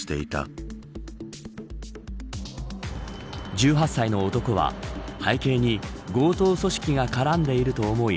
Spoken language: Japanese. １８歳の男は背景に強盗組織が絡んでいると思い